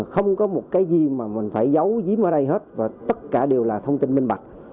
không có một cái gì mà mình phải giấu giếm ở đây hết và tất cả đều là thông tin minh bạch